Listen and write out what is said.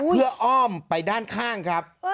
เพื่ออ้อมไปด้านข้างครับ